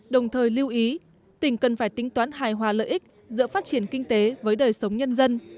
đồng thời lưu ý tỉnh cần phải tính toán hài hòa lợi ích giữa phát triển kinh tế với đời sống nhân dân